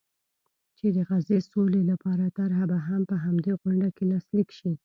چې د غزې سولې لپاره طرحه به هم په همدې غونډه کې لاسلیک شي.